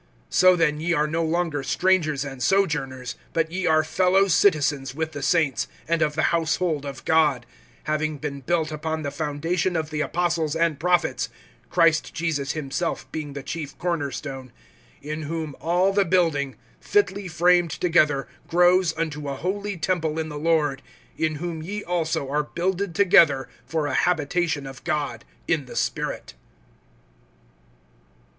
(19)So then ye are no longer strangers and sojourners, but ye are fellow citizens with the saints, and of the household of God; (20)having been built upon the foundation of the apostles and prophets, Christ Jesus himself being the chief corner stone; (21)in whom all the building, fitly framed together, grows unto a holy temple in the Lord; (22)in whom ye also are builded together for a habitation of God in the Spirit.